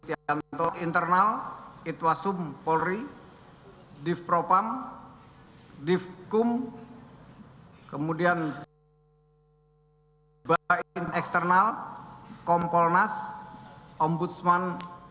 setia anto internal itwasum polri divpropam divkum kemudian bain external kompolnas ombudsman